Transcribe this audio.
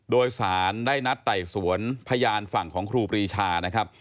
โดยสารได้นัดไต่สวนพยานฝั่งของครูปรีชานะครับ